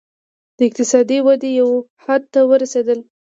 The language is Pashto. د اقتصادي ودې یو حد ته ورسېدل.